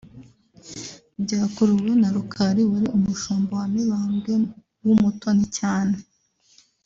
Byakuruwe na Rukali wari umushumba wa Mibambwe w’umutoni cyane